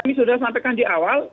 kami sudah sampaikan di awal